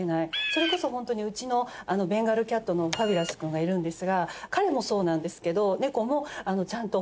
それこそホントにうちのベンガルキャットのファビュラスくんがいるんですが彼もそうなんですけど猫もちゃんと。